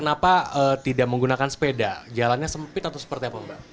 kenapa tidak menggunakan sepeda jalannya sempit atau seperti apa mbak